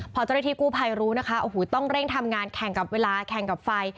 พอเจ้าหน้าที่กู้ภัยรู้นะคะโอ้โหต้องเร่งทำงานแข่งกับเวลาแข่งกับไฟ